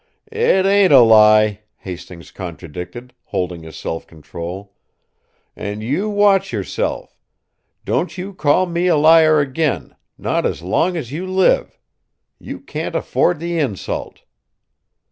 "It ain't a lie," Hastings contradicted, holding his self control. "And you watch yourself! Don't you call me a liar again not as long as you live! You can't afford the insult."